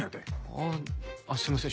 あああっすいません